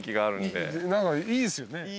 何かいいですよね。